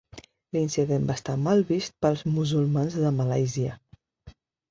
L'incident va estar mal vist pels musulmans de Malàisia.